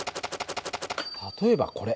例えばこれ。